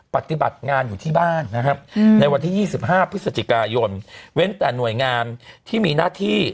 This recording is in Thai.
ปฏิบัติงานอยู่ที่บ้านนะครับในวันที่๒๕พฤศจิกายนเว้นแต่หน่วยงานที่มีหน้าที่